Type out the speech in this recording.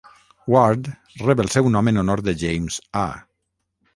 Ward rep el seu nom en honor de James A.